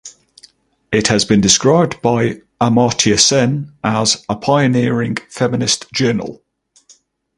It has been described by Amartya Sen as "a pioneering feminist journal".